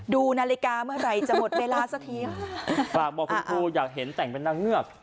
ดูนาฬิกาเมื่อไหร่จะหมดเวลาสักทีค่ะฝากบอกคุณครูอยากเห็นแต่งเป็นนางเงือก